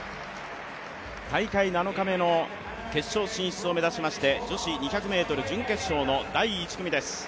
大会７日目の決勝進出を目指しまして女子２００ｍ準決勝の第１組です。